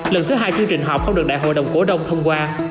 lần thứ hai chương trình họp không được đại hội đồng cổ đông thông qua